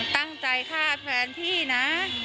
ตั้งใจฆ่าแฟนพี่นะ